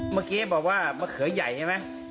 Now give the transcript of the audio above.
เมื่อกี้บอกว่ามะเขือใหญ่ใช่ไหม